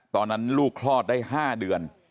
ตอนนั้นลูกคลอดได้๕เดือน